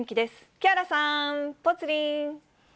木原さん、ぽつリン。